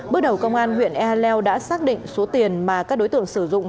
bước đầu công an huyện e hà leo đã xác định số tiền mà các đối tượng sử dụng